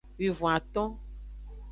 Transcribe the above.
Wivon-aton.